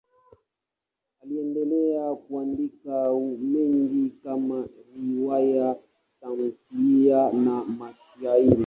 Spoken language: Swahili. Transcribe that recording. Aliendelea kuandika mengi kama riwaya, tamthiliya na mashairi.